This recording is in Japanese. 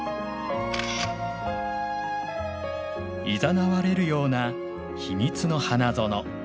いざなわれるような秘密の花園。